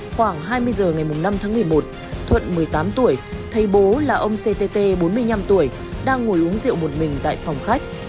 khoảng hai mươi h ngày năm tháng một mươi một thuận một mươi tám tuổi thấy bố là ông ctt bốn mươi năm tuổi đang ngồi uống rượu một mình tại phòng khách